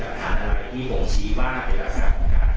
การหั่นการทรัพย์จะได้เห็นซิ้นและสำคัญการแทนของทรัพย์